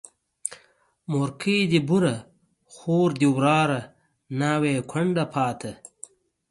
مورکۍ دي بوره، خور دي وراره، ناوې کونډه پاته